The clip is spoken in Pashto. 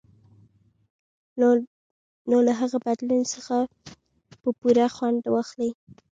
نو له هغه بدلون څخه به پوره خوند واخلئ.